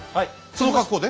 その格好で？